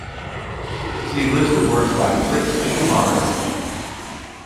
"See List of works by Fritz Schumacher"